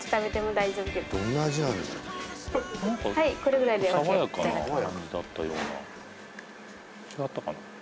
うんはいこれぐらいでＯＫいただきます